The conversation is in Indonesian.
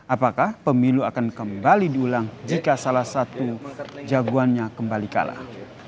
apakah pemilu akan kembali diulang jika salah satu jagoannya kembali kalah